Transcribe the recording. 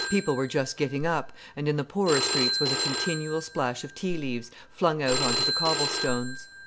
People were just getting up, and in the poorer streets was a continual splash of tea leaves, flung out on to the cobble stones.